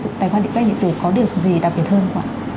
sử dụng tài khoản địa danh điện tử có được gì đặc biệt hơn không ạ